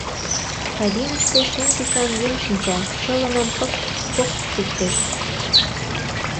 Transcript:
Кабиныште шем тӱсан еҥ шинча, чылымым пык-пок шупшеш.